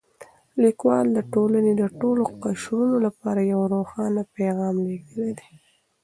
لیکوال د ټولنې د ټولو قشرونو لپاره یو روښانه پیغام لېږلی دی.